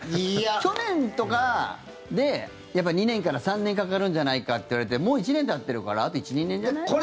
去年とかで２年から３年かかるんじゃないかっていわれてもう１年たってるからあと１２年じゃない？